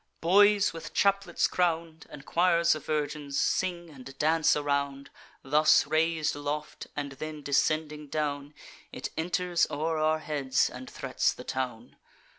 Boys with chaplets crown'd, And choirs of virgins, sing and dance around. Thus rais'd aloft, and then descending down, It enters o'er our heads, and threats the town.